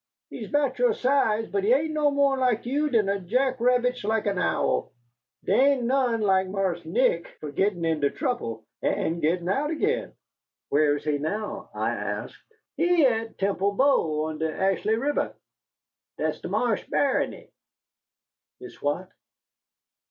He's 'bout you size, but he ain' no mo' laik you den a jack rabbit's laik an' owl. Dey ain' none laik Marse Nick fo' gittin' into trouble and gittin' out agin." "Where is he now?" I asked. "He at Temple Bow, on de Ashley Ribber. Dat's de Marsa's barony." "His what?"